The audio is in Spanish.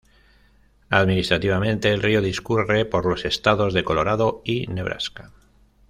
Administrativamente, el río discurre por los estados de Colorado y Nebraska.